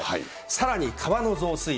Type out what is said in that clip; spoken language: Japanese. さらに川の増水。